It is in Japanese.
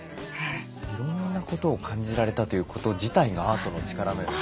いろんなことを感じられたということ自体がアートの力のような気がしますよね。